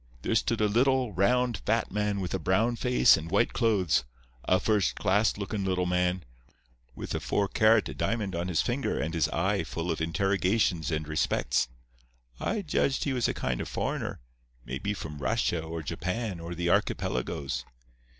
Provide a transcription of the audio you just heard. There stood a little, round, fat man with a brown face and white clothes, a first class looking little man, with a four karat diamond on his finger and his eye full of interrogations and respects. I judged he was a kind of foreigner—may be from Russia or Japan or the archipelagoes.